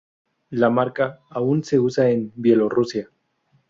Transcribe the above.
La marca aún se usa en Bielorrusia.